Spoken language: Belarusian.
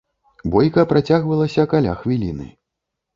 Бойка працягвалася каля хвіліны.